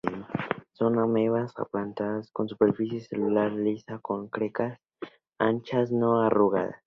Son amebas aplanadas con la superficie celular lisa o con crestas anchas, no arrugadas.